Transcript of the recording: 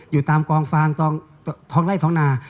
อยู่ตามกองฟางท้องไล่ท้องนา